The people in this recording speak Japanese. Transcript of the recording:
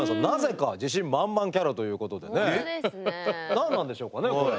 何なんでしょうかねこれ。